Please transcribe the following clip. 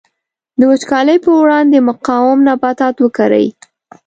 د وچکالۍ پر وړاندې مقاوم نباتات وکري.